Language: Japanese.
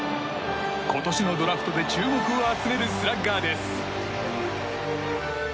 今年のドラフトで注目を集めるスラッガーです。